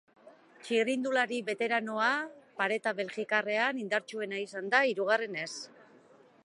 Txirrindulari beteranoa pareta belgikarrean indartsuena izan da hirugarrenez.